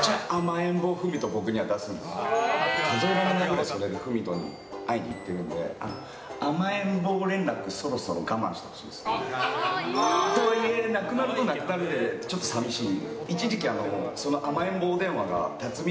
よく郁人に会いに行ってるので甘えん坊連絡そろそろ我慢してほしいですね。とはいえなくなるとなくなるでちょっと寂しい。